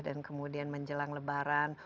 dan kemudian menjelang lebaran